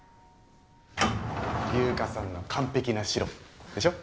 ・優香さんの完璧な城でしょ？